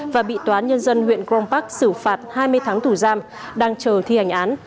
và bị toán nhân dân huyện crong park xử phạt hai mươi tháng tù giam đang chờ thi hành án